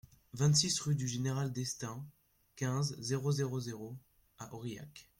vingt-six rue du Général Destaing, quinze, zéro zéro zéro à Aurillac